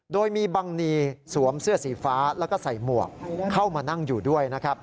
โดยมีบังนีสวมเสื้อสีฟ้าแล้วก็ใส่หมวกเข้ามานั่งอยู่ด้วยนะครับ